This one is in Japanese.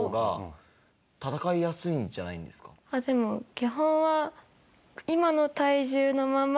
でも基本は。